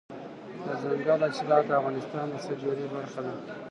دځنګل حاصلات د افغانستان د سیلګرۍ برخه ده.